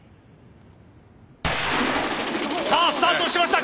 さあスタートしました！